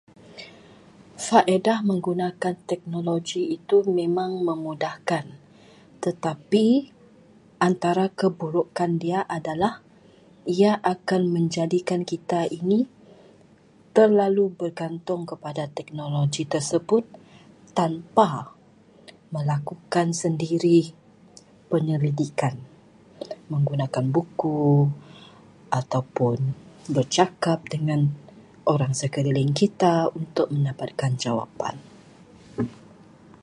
Faedah menggunakan teknologi itu memang memudahkan, tetapi antara keburukan dia adalah ia akan menjadikan kita ini terlalu bergantung kepada teknologi tersebut tanpa melakukan sendiri penyelidikan. Menggunakan buku ataupun bercakap dengan orang sekeliling kita untuk mendapatkan jawapan.